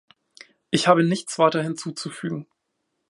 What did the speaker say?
Ich habe nichts weiter hinzuzufügen.